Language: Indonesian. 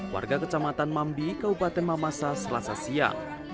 warga kecamatan mambi kabupaten mamasa selasa siang